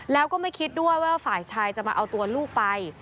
แล้วก็ไม่คิดด้วยว่าฝ่ายชายจะมาเอาตัวลูกไป